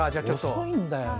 遅いんだよな。